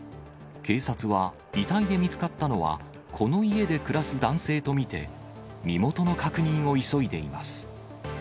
警察は遺体で見つかったのは、この家で暮らす男性と見て、身元の確認を急いでいます。